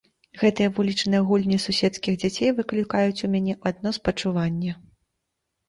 Гэтыя вулічныя гульні суседскіх дзяцей выклікаюць у мяне адно спачуванне.